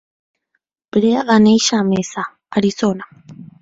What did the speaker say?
Brea va néixer a Mesa, Arizona.